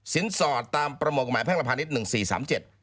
สินสอดตามประโมกหมายแพ่งลภานิษฐ์๑๔๓๗